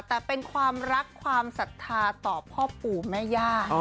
แต่เป็นความรักความศรัทธาต่อพ่อปู่แม่ย่า